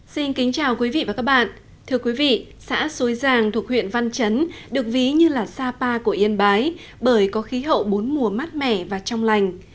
xin kính chào quý vị và các bạn thưa quý vị xã xôi giàng thuộc huyện văn chấn được ví như là sapa của yên bái bởi có khí hậu bốn mùa mát mẻ và trong lành